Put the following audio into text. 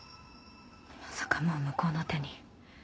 まさかもう向こうの手に。